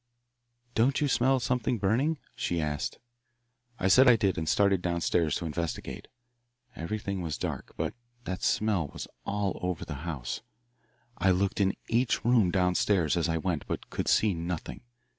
"'Don't you smell something burning?' she asked. "I said I did and started down stairs to investigate. Everything was dark, but that smell was all over the house. I looked in each room down stairs as I went, but could see nothing.